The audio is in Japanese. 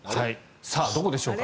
どこでしょうか。